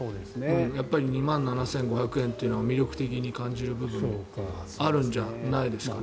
やっぱり２万７５００円っていうのは魅力的に感じる部分があるんじゃないですか。